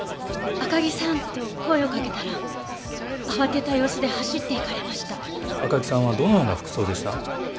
「赤木さん」と声をかけたら慌てた様子で走っていかれました赤木さんはどのような服装でした？